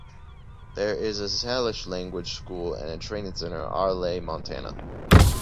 There is a Salish language school and training center in Arlee, Montana.